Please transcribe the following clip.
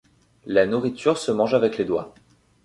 La nourriture se mange avec les doigts.